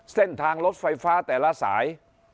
เส้นทางรถไฟฟ้าแต่ละสาย